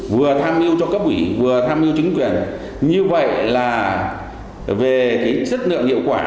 vừa tham mưu cho cấp quỷ vừa tham mưu cho chính quyền như vậy là về sức lượng hiệu quả